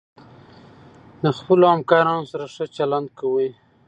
د خپلو همکارانو سره ښه چلند کوئ.